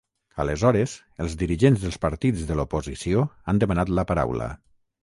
Aleshores, els dirigents dels partits de l’oposició han demanat la paraula.